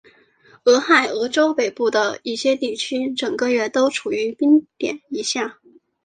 俄亥俄州北部的一些地区整个月都处于冰点以下。